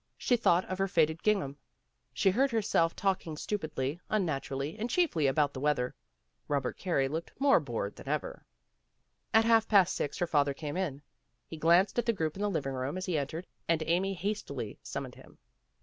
She thought of her faded gingham. She heard herself talking stupidly, unnaturally, and chiefly about the weather. Robert Carey looked more bored than ever. At half past six her father came in. He glanced at the group in the living room as he entered, and Amy hastily summoned him.